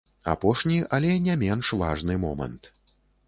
Апошні, але не менш важны момант.